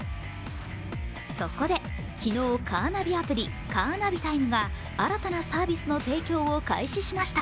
そこで昨日、カーナビアプリカーナビタイムが新たなサービスの提供を開始しました。